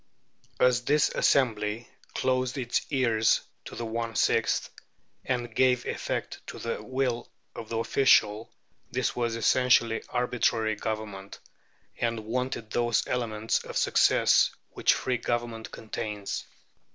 " As this assembly closed its ears to the one sixth, and gave effect to the will of the official, this was essentially arbitrary government, and wanted those elements of success which free government contains.